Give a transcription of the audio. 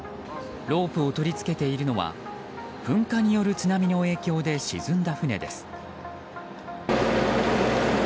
ロープを取り付けているのは噴火による津波の影響で沈んだ船です。